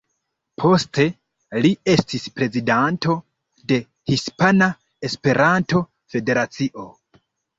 Poste li estis prezidanto de Hispana Esperanto-Federacio.